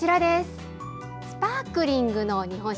スパークリングの日本酒。